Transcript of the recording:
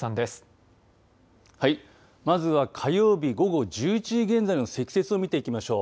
まずは火曜日午後１１時現在の積雪を見ていきましょう。